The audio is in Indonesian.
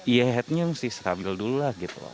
ya headnya mesti stabil dulu lah gitu loh